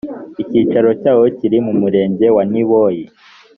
icyicaro cyawo kiri mu murenge wa niboye